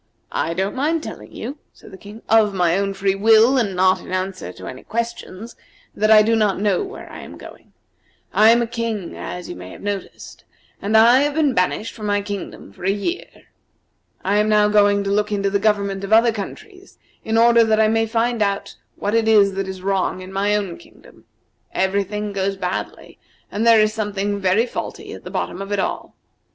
"I don't mind telling you," said the King, "of my own free will, and not in answer to any questions, that I do not know where I am going. I am a King, as you may have noticed, and I have been banished from my kingdom for a year. I am now going to look into the government of other countries in order that I may find out what it is that is wrong in my own kingdom. Every thing goes badly, and there is something very faulty at the bottom of it all.